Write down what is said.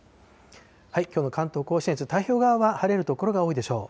きょうの関東甲信越、太平洋側は晴れる所が多いでしょう。